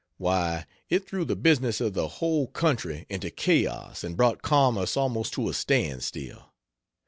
Why, it threw the business of the whole country into chaos and brought commerce almost to a stand still.